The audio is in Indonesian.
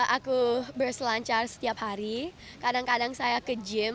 aku berselancar setiap hari kadang kadang saya ke gym